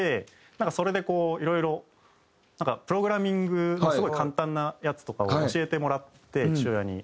なんかそれでこういろいろなんかプログラミングをすごい簡単なやつとかを教えてもらって父親に。